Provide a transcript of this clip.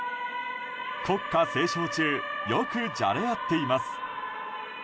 国歌斉唱中よくじゃれ合っています。